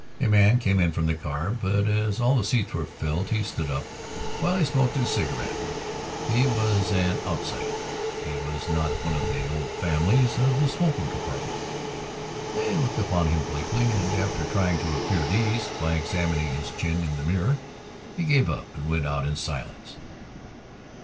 A man came in from the car, but as all the seats were full he stood up while he smoked his cigarette. He was an Outsider; he was not one of the Old Families of the smoking compartment. They looked upon him bleakly and, after trying to appear at ease by examining his chin in the mirror, he gave it up and went out in silence.